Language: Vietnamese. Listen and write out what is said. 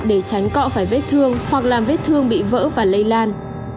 để tránh cọ phải vết thương hoặc làm vết thương bị vỡ và lây lan